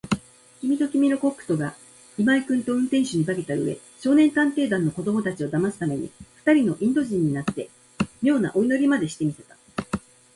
きみときみのコックとが、今井君と運転手に化けたうえ、少年探偵団の子どもたちをだますために、ふたりのインド人になって、みょうなお祈りまでして見せた。